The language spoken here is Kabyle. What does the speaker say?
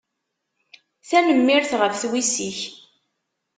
Tanemmirt ɣef twissi-k.